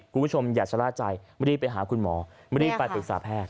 คุณผู้ชมอย่าชะลาดใจไม่ได้ไปหาคุณหมอไม่ได้ไปตรวจสาวแพทย์